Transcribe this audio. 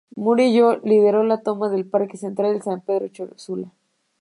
Murillo lideró la toma del parque central de San Pedro Sula.